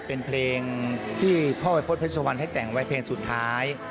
เป็นเพลงที่พ่อวัยพฤษเพชรวรรณให้แต่งไว้เพลงสุดท้าย